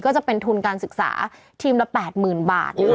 ก็จะเป็นทุนการศึกษาทีมละ๘๐๐๐บาทนะคะ